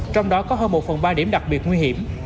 trong đó có hơn một phần ba điểm đặc biệt nguy hiểm